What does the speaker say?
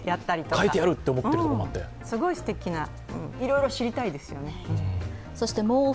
すごいすてきな、いろいろ知りたいですよね。